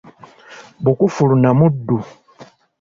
Bukufuula na muddu.